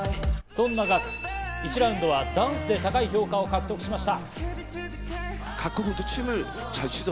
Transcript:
そんなＧＡＫＵ、１ラウンドはダンスで高い評価を獲得しました。